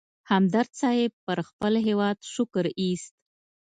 همدرد صیب پر خپل هېواد شکر اېست.